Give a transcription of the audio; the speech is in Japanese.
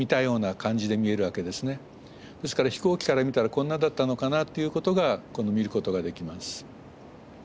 ですから飛行機から見たらこんなだったのかなっていうことが見ることができます。